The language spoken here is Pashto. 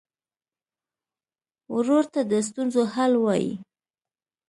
ورور ته د ستونزو حل وايي.